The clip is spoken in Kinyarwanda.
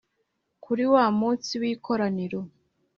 kuri wa munsi w’ikoraniro,